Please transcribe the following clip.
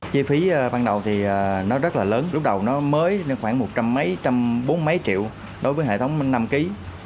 chi phí ban đầu thì nó rất là lớn lúc đầu nó mới khoảng một trăm linh mấy một trăm bốn mươi mấy triệu đối với hệ thống năm kg